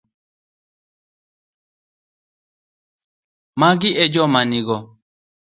magi e joma nigo.